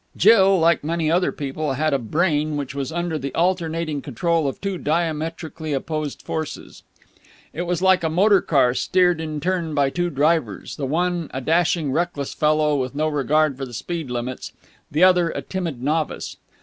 Jill, like many other people, had a brain which was under the alternating control of two diametrically opposite forces. It was like a motor car steered in turn by two drivers, the one a dashing, reckless fellow with no regard for the speed limits, the other a timid novice.